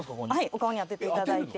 お顔に当てていただいて。